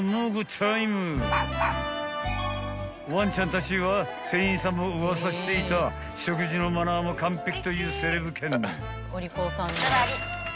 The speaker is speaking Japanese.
［ワンちゃんたちは店員さんもウワサしていた食事のマナーも完璧というセレブ犬］